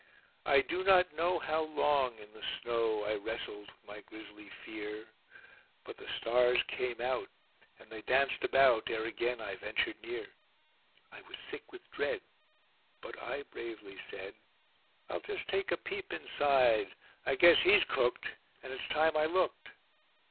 I do not know how long in the snow I wrestled with grisly fear; But the stars came out and they danced about ere again I ventured near; I was sick with dread, but I bravely said: "I'll just take a peep inside. I guess he's cooked, and it's time I looked"